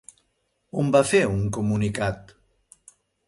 On va fer un comunicat?